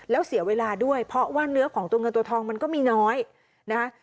แล้วเสียเวลาด้วยเพราะว่าเนื้อของตัวเงินตัวทองมันก็มีน้อยนะคะ